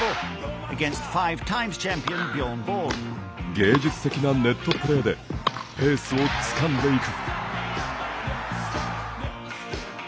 芸術的なネットプレーでペースをつかんでいく。